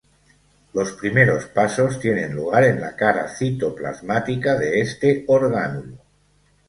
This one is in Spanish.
Los primeros pasos tienen lugar en la cara citoplasmática de este orgánulo.